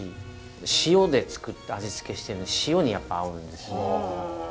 塩で作った味付けしてる塩にやっぱ合うんですよ。